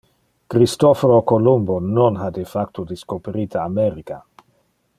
Christophoro Columbo non ha de facto discoperite America.